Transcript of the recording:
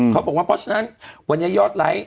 เขาบอกว่าเพราะฉะนั้นวันนี้ยอดไลค์